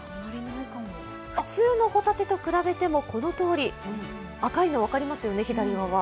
普通のホタテと比べてもこのとおり、赤いのが分かりますよね、左側。